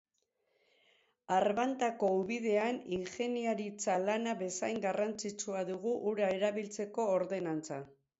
Arbantako ubidean ingeniaritza lana bezain garrantzitsua dugu ura erabiltzeko ordenantza.